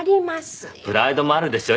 プライドもあるでしょ